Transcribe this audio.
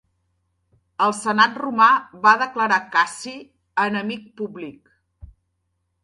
El senat romà va declarar Cassi enemic públic.